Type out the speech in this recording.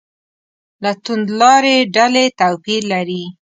له توندلارې ډلې توپیر لري.